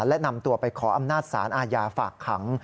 และนำตัวไปขออำนาจศาลอาญาฝากขัง